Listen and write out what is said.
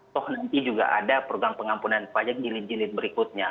toh nanti juga ada program pengampunan pajak jilid jilid berikutnya